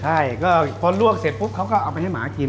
ใช่ก็พอลวกเสร็จปุ๊บเขาก็เอาไปให้หมากิน